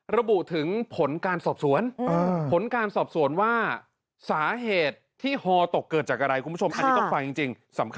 ระบุถึงผลการสอบสวน